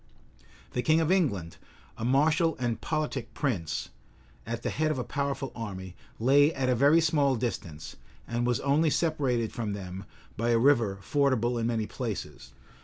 The king of England, a martial and politic prince, at the head of a powerful army, lay at a very small distance, and was only separated from them by a river fordable in many places.